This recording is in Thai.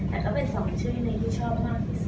แต่ก็เป็นสองชื่อหนึ่งที่ชอบมากที่สุด